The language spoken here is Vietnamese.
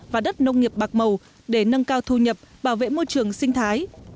và đất nông nghiệp bạc màu để nâng cao thu nhập bảo vệ môi trường sinh thái